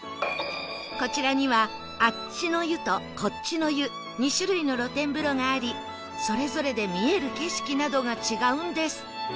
こちらには「あっちの湯」と「こっちの湯」２種類の露天風呂がありそれぞれで見える景色などが違うんです